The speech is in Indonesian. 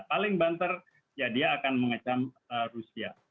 paling banter ya dia akan mengecam rusia